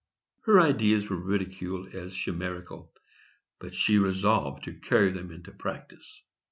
Her ideas were ridiculed as chimerical, but she resolved to carry them into practice.